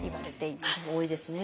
多いですね。